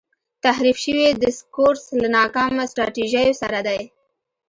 تحریف شوی دسکورس له ناکامه سټراټیژیو سره دی.